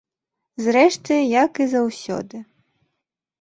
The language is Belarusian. Зрэшты як і заўсёды.